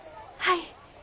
はい。